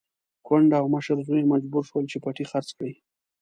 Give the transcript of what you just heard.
کونډه او مشر زوی يې مجبور شول چې پټی خرڅ کړي.